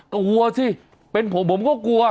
เรากลัวซิเป็นผมก็กลัว